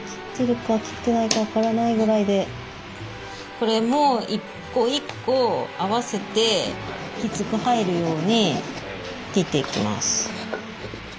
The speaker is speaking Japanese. これも一個一個合わせてきつく入るように切っていきます。